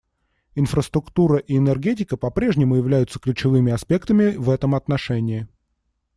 Инфраструктура и энергетика по-прежнему являются ключевыми аспектами в этом отношении.